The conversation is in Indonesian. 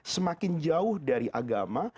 semakin jauh dari agama